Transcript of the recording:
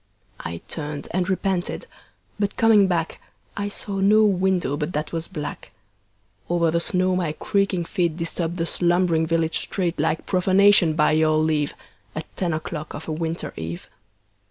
I turned and repented, but coming back I saw no window but that was black. Over the snow my creaking feet Disturbed the slumbering village street Like profanation, by your leave, At ten o'clock of a winter eve.